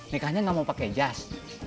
nikahnya gak mau pake jas